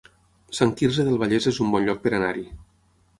Sant Quirze del Vallès es un bon lloc per anar-hi